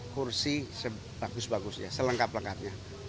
kursi bagus bagus ya selengkap lengkapnya